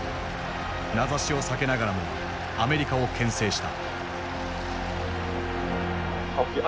名指しを避けながらもアメリカを牽制した。